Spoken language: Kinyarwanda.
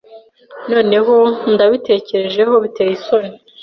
Noneho ndabitekerejeho, biteye isoni.